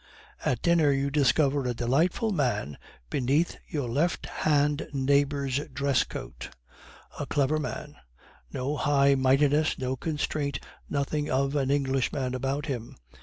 At dinner you discover a delightful man beneath your left hand neighbor's dresscoat; a clever man; no high mightiness, no constraint, nothing of an Englishman about him.